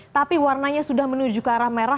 tapi warnanya sudah menuju ke arah merah